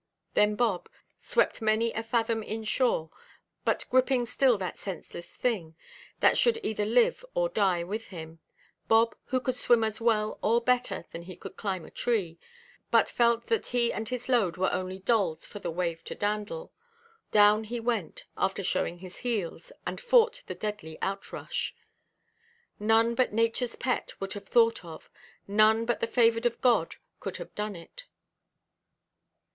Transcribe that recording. Then Bob, swept many a fathom in–shore, but griping still that senseless thing, that should either live or die with him—Bob, who could swim as well or better than he could climb a tree, but felt that he and his load were only dolls for the wave to dandle—down he went, after showing his heels, and fought the deadly outrush. None but Natureʼs pet would have thought of, none but the favoured of God could have done, it.